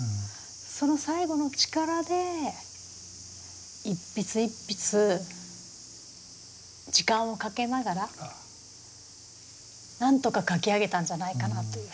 その最後の力で一筆一筆時間をかけながらなんとか書き上げたんじゃないかなというふうに。